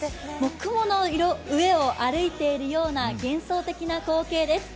雲の上をあるいているような幻想的な光景です。